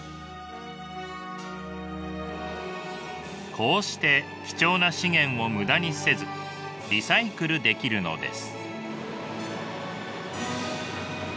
こうして貴重な資源を無駄にせずリサイクルできるのです。